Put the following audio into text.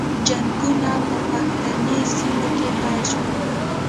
جنګونه په پښتني سیمو کې پیل شول.